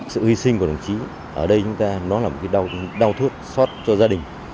sự hy sinh của đồng chí ở đây là một đau thước xót cho gia đình